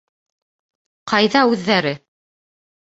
— Ҡайҙа үҙҙәре?